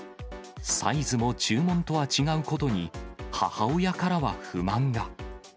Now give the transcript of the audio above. サイズも注文とは違うことに、母親からは不満が。